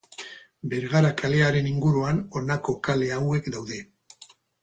Bergara kalearen inguruan honako kale hauek daude.